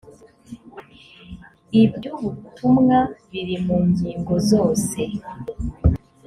iby ubutumwa biri mu ngingo zose